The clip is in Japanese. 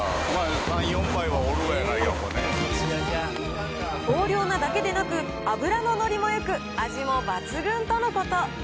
３、豊漁なだけでなく、脂の乗りもよく、味も抜群とのこと。